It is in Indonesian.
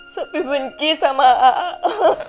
sopi benci sama aku